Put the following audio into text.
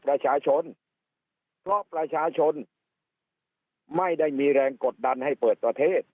ประชาชนเพราะประชาชนไม่ได้มีแรงกดดันให้เปิดประเทศ